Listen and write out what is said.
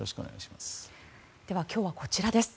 では今日はこちらです。